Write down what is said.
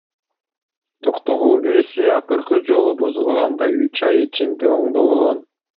Токтогул ГЭСи акыркы жолу бузулганда үч ай ичинде оңдолгон.